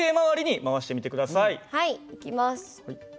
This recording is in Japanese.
はいいきます。